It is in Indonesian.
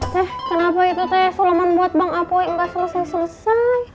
teh kenapa itu teh sulaman buat bang apoy nggak selesai selesai